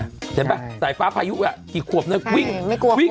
เห็นปะไถ้ฟ้าพายุอ่ะสี่ขวบหน้าวิ่งอย่างยิ่ง